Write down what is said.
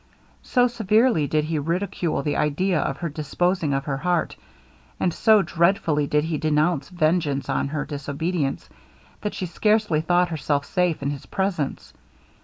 So severely did he ridicule the idea of her disposing of her heart, and so dreadfully did he denounce vengeance on her disobedience, that she scarcely thought herself safe in his presence.